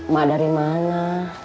mak dari mana